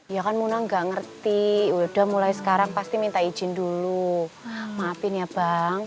ya kan muna nggak ngerti udah mulai sekarang pasti minta izin dulu maafin ya bang